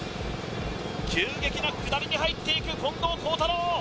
急激な下りに入っていく近藤幸太郎